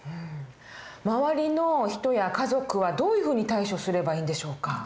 周りの人や家族はどういうふうに対処すればいいんでしょうか？